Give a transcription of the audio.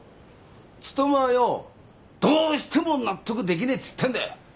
努はよどうしても納得できねえっつってんだよ。